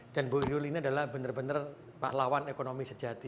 dan bu rul ini adalah benar benar pahlawan ekonomi sejati